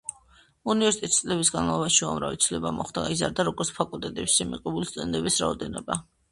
უნივერსიტეტში წლების განმავლობაში უამრავი ცვლილება მოხდა, გაიზარდა როგორც ფაკულტეტების, ისე მიღებული სტუდენტების რაოდენობა.